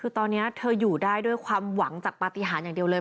คือตอนนี้เธออยู่ได้ด้วยความหวังจากปฏิหารอย่างเดียวเลย